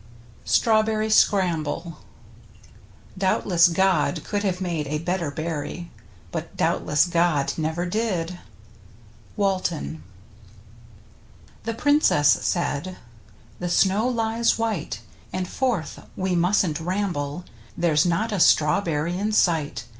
75 /g STRAWBERRY SCRAMBLE Doubtless God could have made a better berry, but doubtless Gad never did. — Walton. The Princess said, " The snow lies white, And forth we mustn't ramble, There's not a strawberry in sight.